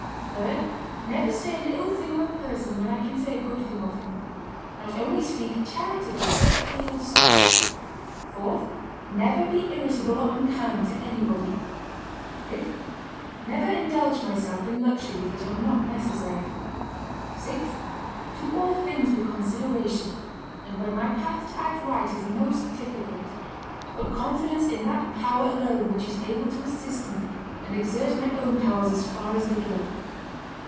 Third, Never say an ill thing of a person when I can say a good thing of him; not only speak charitably, but feel so. Fourth, Never be irritable or unkind to anybody. Fifth, Never indulge myself in luxuries that are not necessary. Sixth, Do all things with consideration, and when my path to act right is most difficult, put confidence in that Power alone which is able to assist me, and exert my own powers as far as they go."